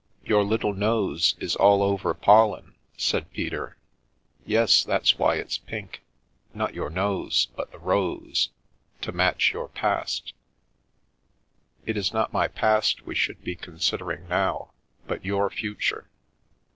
"Your little nose is all over pollen," said Peter. " Yes, that's why it's pink. Not your nose, but the rose. To match your past" " It is not my past we should be considering now, but your future.